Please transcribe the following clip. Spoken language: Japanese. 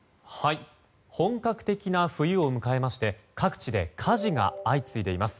本格的な冬を迎えまして各地で火事が相次いでいます。